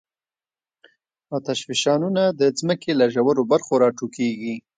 آتشفشانونه د ځمکې له ژورو برخو راټوکېږي.